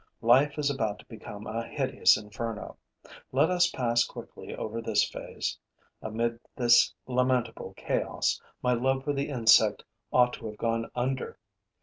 Life is about to become a hideous inferno. Let us pass quickly over this phase. Amid this lamentable chaos, my love for the insect ought to have gone under.